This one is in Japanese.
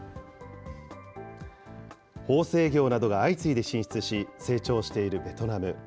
縫製業などが相次いで進出し、成長しているベトナム。